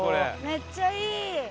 めっちゃいい！